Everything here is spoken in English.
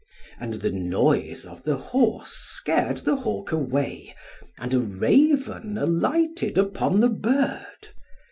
And the noise of the horse scared the hawk away, and a raven alighted upon the bird.